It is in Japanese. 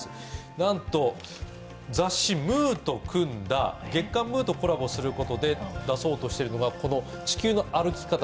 なんと、雑誌「月刊ムー」とコラボすることで出そうとしているのがこの「地球の歩き方」